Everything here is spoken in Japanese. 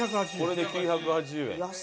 これで９８０円。